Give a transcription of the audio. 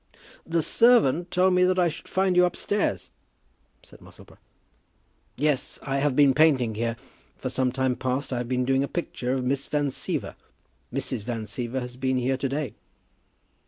"The servant told me that I should find you upstairs," said Musselboro. "Yes; I have been painting here. For some time past I have been doing a picture of Miss Van Siever. Mrs. Van Siever has been here to day."